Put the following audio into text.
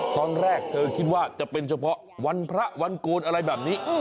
ตอนแรกเธอคิดว่าจะเป็นเฉพาะวันพระวันโกนอะไรแบบนี้